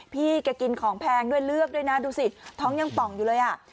พี่แกกินของแพงด้วยเลือกด้วยนะดูสิท้องยังป่องอยู่เลยอ่ะ